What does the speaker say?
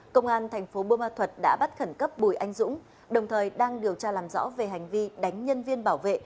công an tp hcm đã bắt khẩn cấp bùi anh dũng đồng thời đang điều tra làm rõ về hành vi đánh nhân viên bảo vệ